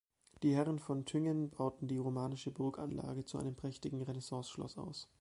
Die Herren von Thüngen bauten die romanische Burganlage zu einem prächtigen Renaissance-Schloss aus.